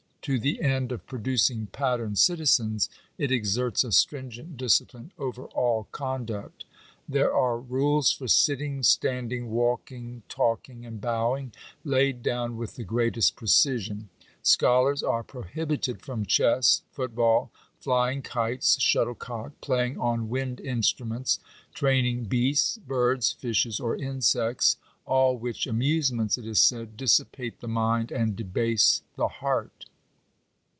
To the end of producing pattern citizens it exerts a stringent discipline over all conduct. There are " rules for sitting, standing, walk* Digitized by VjOOQIC 834 NATIONAL EDUCATION. ing, talking, and bowing, laid down with the greatest precision. Scholars are prohibited from chess, football, flying kites, shuttle cock, playing on wind instruments, training beasts, birds, fishes, or insects — all which amusements, it is said, dissipate the mind and debase the heart."